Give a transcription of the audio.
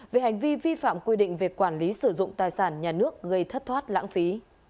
về hành vi vi phạm quy định về quản lý sử dụng tài sản nhà nước gây thất thoát lãng phí